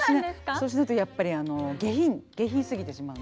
そうしないとやっぱり下品すぎてしまうんで。